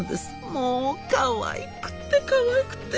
もうかわいくてかわいくて。